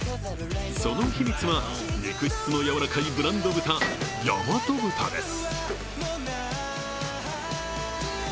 その秘密は肉質のやわらかいブランド豚、やまと豚です。